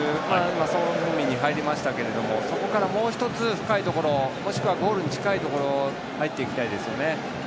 今、ソン・フンミンに入りましたけどそこからもう１つ深いところもしくはゴールに近いところ入っていきたいですよね。